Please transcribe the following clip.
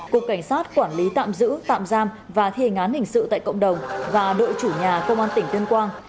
cục cảnh sát quản lý tạm giữ tạm giam và thi hành án hình sự tại cộng đồng và đội chủ nhà công an tỉnh tuyên quang